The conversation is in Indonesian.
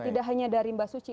tidak hanya dari mbak suci